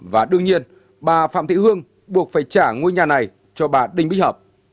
và đương nhiên bà phạm thị hương buộc phải trả ngôi nhà này cho bà đinh bích hợp